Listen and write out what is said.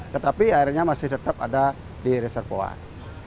tetapi airnya masih tetap ada di reservoir